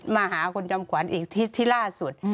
มาหาคุณจำขวัญอีกที่ล่าสุด